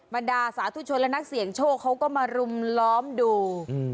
บรรดาสาธุชนและนักเสี่ยงโชคเขาก็มารุมล้อมดู